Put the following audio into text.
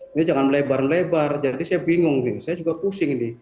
ini jangan melebar lebar jadi saya bingung saya juga pusing ini